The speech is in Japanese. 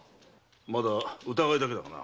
まだ疑いだけだがな。